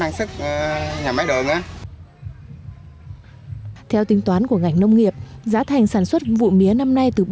cái giá này thì hầu như là nó chỉ có đạt về vốn của bà con và khả năng sẽ có lỗ và lỗ ít